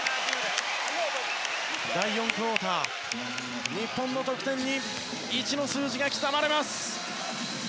第４クオーター、日本の得点に１の数字が刻まれます。